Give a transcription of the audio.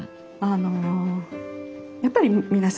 やっぱり皆さん